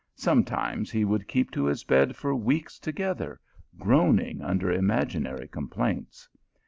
Some times he would keep to his bed for weeks together, groaning under imaginary complaints.